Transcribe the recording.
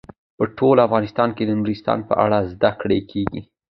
په ټول افغانستان کې د نورستان په اړه زده کړه کېږي.